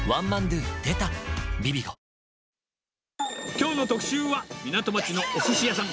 きょうの特集は、港町のおすし屋さん。